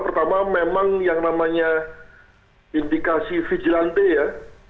pertama memang yang namanya indikasi fijilande ya